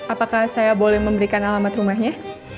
apakah saya boleh memberikan alamat rumahnya